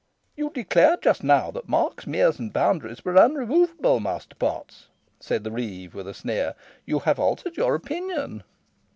"You declared just now that marks, meres, and boundaries, were unremovable, Master Potts," said the reeve, with a sneer; "you have altered your opinion."